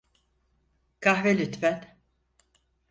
Kahve lütfen.